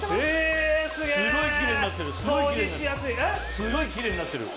すごいキレイになってる。